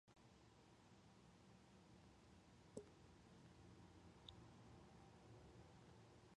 The legend of the Jomsvikings has inspired a modern reenactment movement.